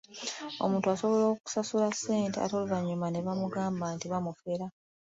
Omuntu asobola okusasula ssente ate oluvannyuma ne bamugamba nti baamufera.